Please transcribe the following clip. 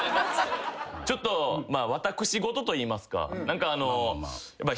ちょっと私事といいますか。